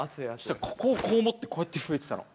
したらここをこう持ってこうやってふいてたの。